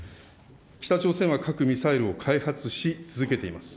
北朝鮮は核・ミサイルを開発し続けています。